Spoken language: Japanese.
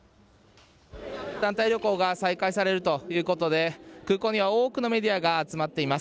団体旅行が再開されるということで、空港には多くのメディアが集まっています。